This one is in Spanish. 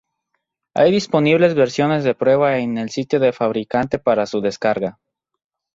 Hay disponibles versiones de prueba en el sitio del fabricante para su descarga.